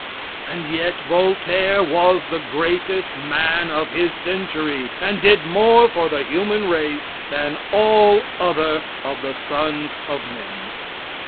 And yet Voltaire was the greatest man of his century, and did more for the human race than ally other of the sons of men.